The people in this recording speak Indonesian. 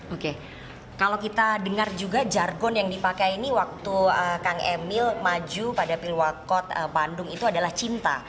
oke kalau kita dengar juga jargon yang dipakai ini waktu kang emil maju pada pilwakot bandung itu adalah cinta